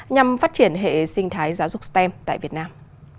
nhằm phát triển hệ sinh thái giáo dục stem tại việt nam